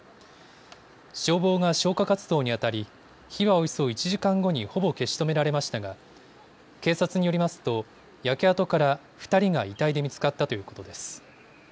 消防が消火活動にあたり火はおよそ１時間後にほぼ消し止められましたが警察によりますと焼け跡から２人が遺体で見つかったということです。